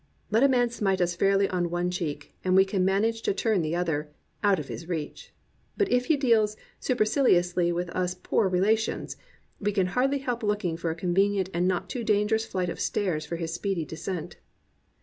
Let a man smite us fairly on one cheek, and we can manage to turn the other, — out of his reach. But if he deals superciliously with us as "poor relations," we can hardly help looking for a convenient and not too dangerous flight of stairs for his speedy descent.